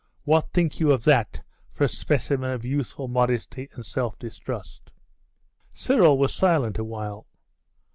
What think you of that for a specimen of youthful modesty and self distrust?' Cyril was silent a while.